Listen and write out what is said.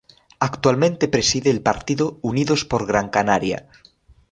Actualmente preside el partido Unidos por Gran Canaria.